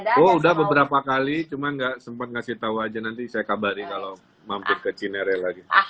oh udah beberapa kali cuma nggak sempat ngasih tau aja nanti saya kabarin kalau mampir ke cinere lagi